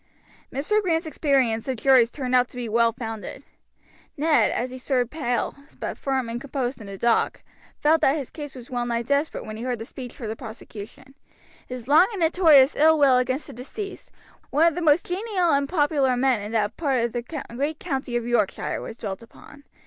Mr. Grant's experience of juries turned out to be well founded. Ned, as he stood pale, but firm and composed in the dock, felt that his case was well nigh desperate when he heard the speech for the prosecution: his long and notorious ill will against the deceased, "one of the most genial and popular gentlemen in that part of the great county of Yorkshire," was dwelt upon.